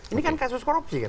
ini kan kasus korupsi kan